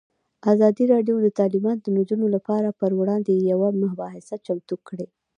ازادي راډیو د تعلیمات د نجونو لپاره پر وړاندې یوه مباحثه چمتو کړې.